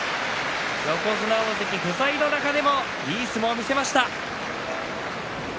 横綱、大関不在の中でもいい相撲を見せました。